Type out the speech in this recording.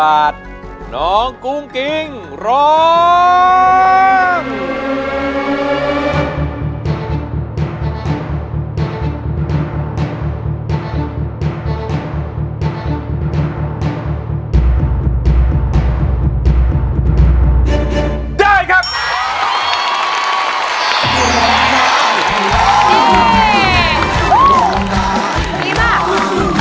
รั้งรอกของผู้ฝากลืมของเรา